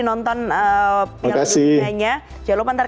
nonton piala dunianya jangan lupa ntar